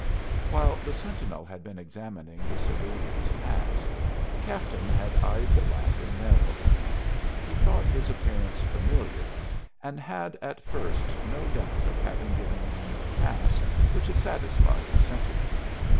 While the sentinel had been examining the civilian's pass the captain had eyed the latter narrowly. He thought his appearance familiar and had at first no doubt of having given him the pass which had satisfied the sentinel.